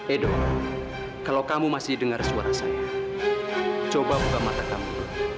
edo kalau kamu masih dengar suara saya coba buka mata kamu